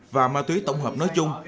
và ma túy tổng hợp nói chung